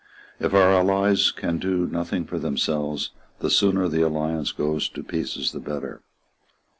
If our allies can do nothing for themselves, the sooner the alliance goes to pieces the better."